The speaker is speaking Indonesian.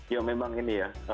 ya memang ini ya